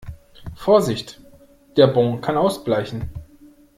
Vorsicht, der Bon kann ausbleichen!